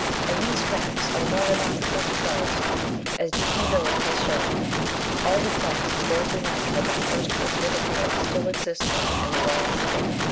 And these facts are the more remarkable because, as De Candolle has shown, all the plants historically known to have been first cultivated in Europe still exist there in the wild state.